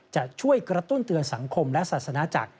จะช่วยกระตุ้นเตือนสังคมและศาสนาจักร